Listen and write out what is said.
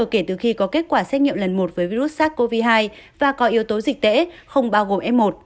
kể từ khi có kết quả xét nghiệm lần một với virus sars cov hai và có yếu tố dịch tễ không bao gồm f một